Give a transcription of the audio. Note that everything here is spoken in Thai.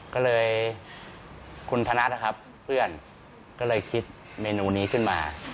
ก็เลยคุณธนัดนะครับเพื่อนก็เลยคิดเมนูนี้ขึ้นมา